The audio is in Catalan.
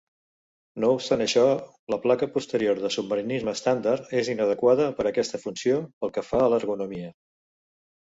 No obstant això, la placa posterior de submarinisme estàndard és inadequada per a aquesta funció pel que fa a l'ergonomia.